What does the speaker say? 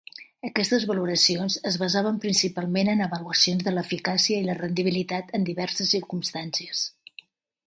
Aquestes valoracions es basaven principalment en avaluacions de l'eficàcia i la rendibilitat en diverses circumstàncies.